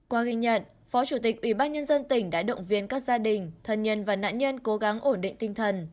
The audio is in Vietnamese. qua ghi nhận phó chủ tịch ủy ban nhân dân tỉnh đã động viên các gia đình thân nhân và nạn nhân cố gắng ổn định tinh thần